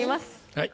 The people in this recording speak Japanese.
はい。